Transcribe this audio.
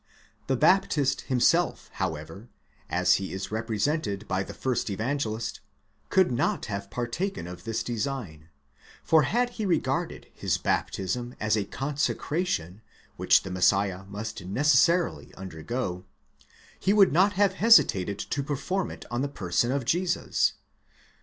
The Baptist himself, however, as he is repre sented by the first Evangelist, could not have partaken of this design; for had he regarded his baptism as a consecration which the Messiah must necessarily undergo, he would not have hesitated to perform it on the person of Jesus (iii.